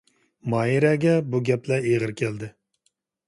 ماھىرەگە بۇ گەپلەر ئېغىر كەلدى.